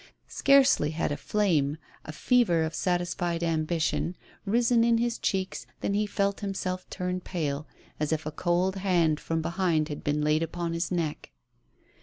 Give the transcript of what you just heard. Scarcely had a flame, a fever of satisfied ambition, risen to his cheeks than he felt himself turn pale, as if a cold hand from behind had been laid upon his neck.